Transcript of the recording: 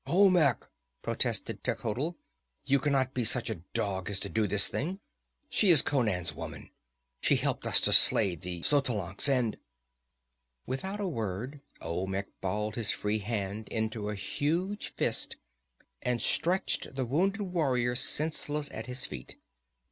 "Olmec!" protested Techotl. "You cannot be such a dog as to do this thing! She is Conan's woman! She helped us slay the Xotalancas, and "Without a word Olmec balled his free hand into a huge fist and stretched the wounded warrior senseless at his feet.